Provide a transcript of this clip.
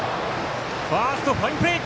ファースト、ファインプレー！